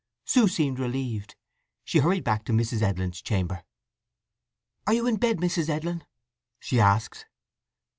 Sue seemed relieved, and hurried back to Mrs. Edlin's chamber. "Are you in bed, Mrs. Edlin?" she asked.